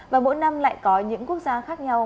và mỗi năm lại có những quốc gia khác nhau